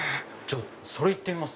それ行ってみます。